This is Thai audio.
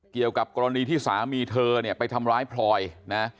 เกี่ยวกับกรณีที่สามีเธอเนี่ยไปทำร้ายพลอยนะ